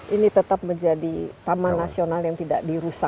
ini tetap menjadi taman nasional yang tidak dirusak